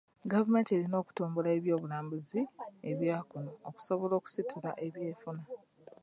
Gavumenti erina okutumbula ebyobulambuzi ebya kuno okusobola okusitula ebyenfuna.